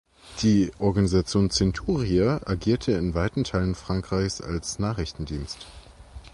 Die Organisation "Centurie" agierte in weiten Teilen Frankreichs als Nachrichtendienst.